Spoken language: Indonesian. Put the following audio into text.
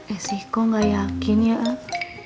eh sih kok gak yakin ya ah